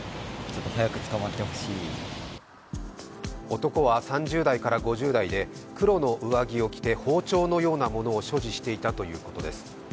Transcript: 男は３０代から５０代で黒の上着を着て包丁のようなものを所持していたということです。